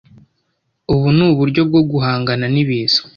Ubu ni uburyo bwo guhangana n’ibiza.